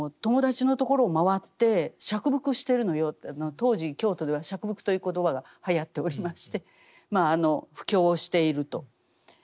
当時京都では折伏という言葉がはやっておりましてまああの布教をしていると。